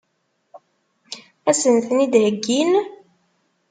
Ad sen-ten-id-heggin?